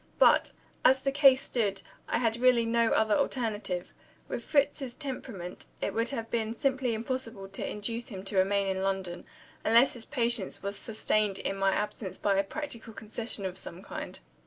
But, as the case stood, I had really no other alternative. With Fritz's temperament, it would have been simply impossible to induce him to remain in London, unless his patience was sustained in my absence by a practical concession of some kind.